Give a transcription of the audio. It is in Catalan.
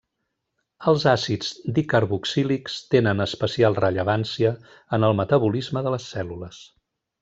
Els àcids dicarboxílics tenen especial rellevància en el metabolisme de les cèl·lules.